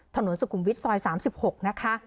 ถนนสุขุมวิทย์ซอย๓๖นะคะ